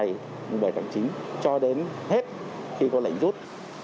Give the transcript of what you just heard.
tổ chức trật tự ở ngày bảy tháng chín cho đến hết khi có lệnh rút